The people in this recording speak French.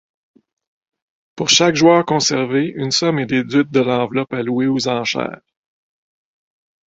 Pour chaque joueur conservé, une somme est déduite de l'enveloppe allouée aux enchères.